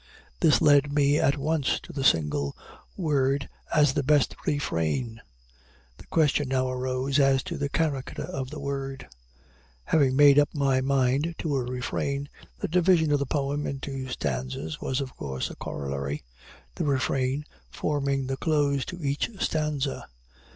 This led me at once to a single word as the best refrain. The question now arose as to the character of the word. Having made up my mind to a refrain, the division of the poem into stanzas was, of course, a corollary: the refrain forming the close to each stanza.